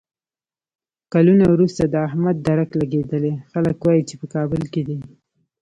کلونه ورسته د احمد درک لګېدلی، خلک وایي چې په کابل کې دی.